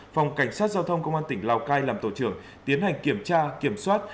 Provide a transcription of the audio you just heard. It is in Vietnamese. phòng cảnh sát giao thông công an tỉnh lào cai làm tổ trưởng tiến hành kiểm tra kiểm soát